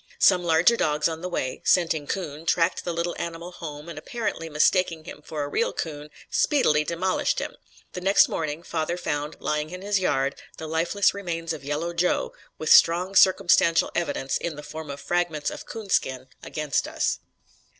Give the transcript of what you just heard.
Some larger dogs on the way, scenting coon, tracked the little animal home and apparently mistaking him for a real coon, speedily demolished him. The next morning, father found, lying in his yard, the lifeless remains of yellow 'Joe,' with strong circumstantial evidence, in the form of fragments of coon skin, against us.